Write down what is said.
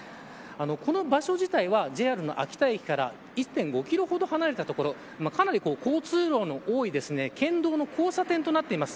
この場所自体はＪＲの秋田駅から１．５キロほど離れた所かなり交通量の多い県道の交差点となっています。